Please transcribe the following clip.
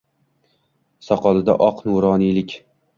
Soqolida oq – nuroniylik